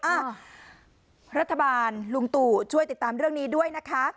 รัฐบาลลุงตู่ช่วยติดตามเรื่องนี้ด้วยนะคะ